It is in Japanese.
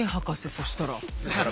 そしたら。